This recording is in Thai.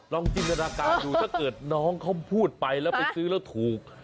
จินตนาการดูถ้าเกิดน้องเขาพูดไปแล้วไปซื้อแล้วถูก